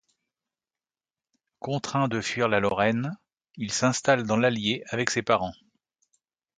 Contraint de fuir la Lorraine, il s'installe dans l'Allier avec ses parents.